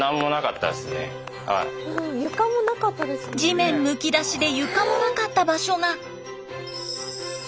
地面むき出しで床もなかった場所が。